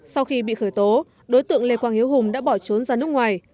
sau khi bị khởi tố đối tượng lê quang hiếu hùng đã bỏ trốn ra nước ngoài